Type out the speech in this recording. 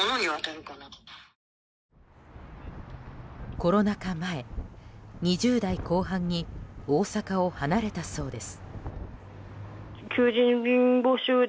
コロナ禍前、２０代後半に大阪を離れたそうです。